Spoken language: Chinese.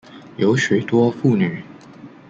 有许多妇女